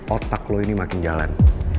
otak lo ini makin jalan